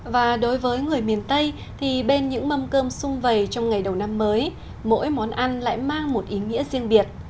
và đối với người miền tây thì bên những mâm cơm sung vầy trong ngày đầu năm mới mỗi món ăn lại mang một ý nghĩa riêng biệt